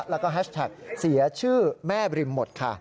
แล้วก็แฮชแท็กเสียชื่อแม่บริมหมดค่ะ